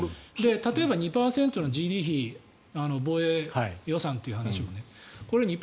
例えば２％のＧＤＰ比防衛予算という話もこれ、２％。